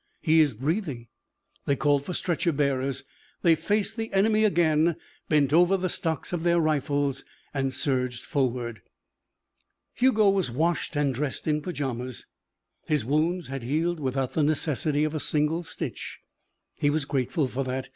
"He is breathing." They called for stretcher bearers. They faced the enemy again, bent over on the stocks of their rifles, surged forward. Hugo was washed and dressed in pyjamas. His wounds had healed without the necessity of a single stitch. He was grateful for that.